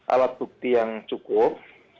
alat bukti yang cukup